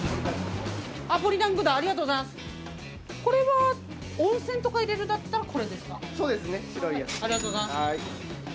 これは温泉とか入れるんだったらこれですか？